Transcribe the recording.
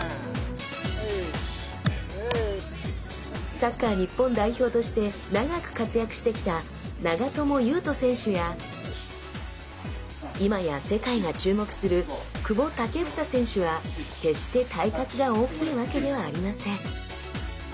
サッカー日本代表として長く活躍してきた長友佑都選手や今や世界が注目する久保建英選手は決して体格が大きいわけではありません。